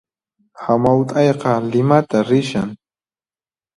Hamaut'ayqa Limata rishan